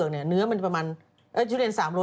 น่ารักมากเลยนะคะ